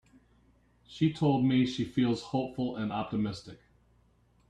She told me she feels hopeful and optimistic.